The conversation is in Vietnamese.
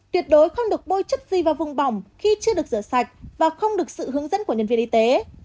tuyệt đối không được bôi chất gì vào vùng bỏng khi chưa được rửa sạch và không được sự hướng dẫn của nhân viên y tế